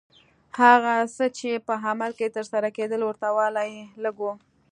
هغه څه چې په عمل کې ترسره کېدل ورته والی یې لږ و.